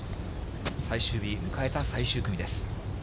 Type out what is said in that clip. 最終日、迎えた最終組です。